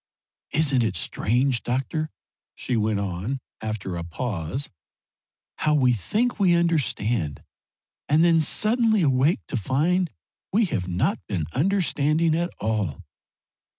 "Isn't it strange, doctor," she went on, after a pause, "how we think we understand, and then suddenly awake to find we have not been understanding at all?